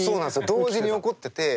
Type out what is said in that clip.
同時に起こってて。